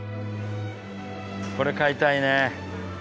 これ買いたいね。